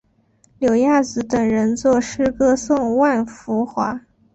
柳亚子等人作诗歌颂万福华。